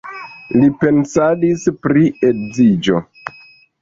Li pensadis pri edziĝo.